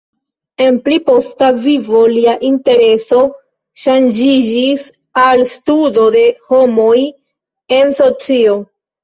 En pli posta vivo lia intereso ŝanĝiĝis al studo de homoj en socio.